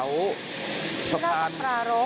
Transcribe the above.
ราชปารบราชปารบ